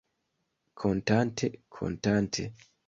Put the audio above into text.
Kontante, kontante.